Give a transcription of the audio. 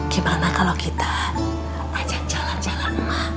gimana kalau kita ajak jalan jalan